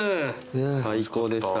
最高でした。